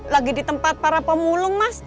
lagi di tempat para pemulung mas